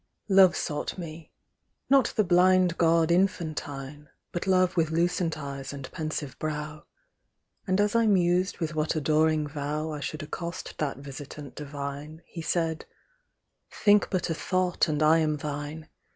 Love sought me â not the blind god infantine, But Love with lucent eyes and pensive brow ; And as I mused with what adoring vow I should accost that visitant divine, He said, " Think but a thought and I am thine.